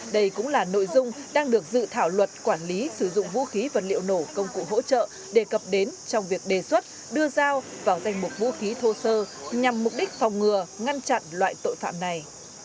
đây cũng là nội dung đang được dự thảo luật quản lý sử dụng vũ khí vật liệu nổ công cụ hỗ trợ đề cập đến trong việc đề xuất đưa dao vào danh mục vũ khí thô sơ nhằm mục đích phòng ngừa ngăn chặn loại tội phạm này